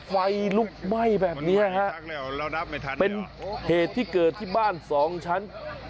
ไฟลุกไหม้แบบนี้นะครับเป็นเหตุที่เกิดที่บ้านสองชั้น